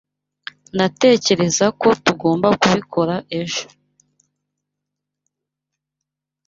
Ndatekereza ko tugomba kubikora ejo.